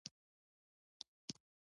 سټېفنس له دې امله ډېر مشهور شوی و.